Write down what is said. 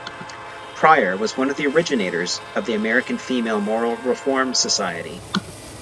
Prior was one of the originators of the American Female Moral Reform Society.